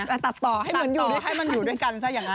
แต่ตัดต่อให้มันอยู่ด้วยกัน